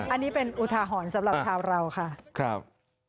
อันนี้เป็นอุทาหรณ์สำหรับชาวเราค่ะครับ